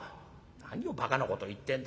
「何をばかなこと言ってんだ。